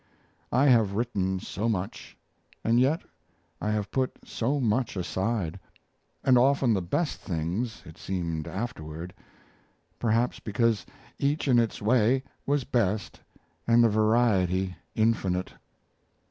I have written so much, and yet I have put so much aside and often the best things, it seemed afterward, perhaps because each in its way was best and the variety infinite.